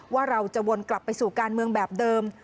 ว่าเราจะวนกลับไปสู่การเมืองแบบเดิม